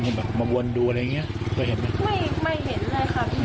ไม่เห็นเลยค่ะพี่เห็นเราก็ไม่รู้แต่ว่าพ่อตอนที่เขาโดนยิงเขาก็ยังมีสติกอยู่ใช่ไหมคะ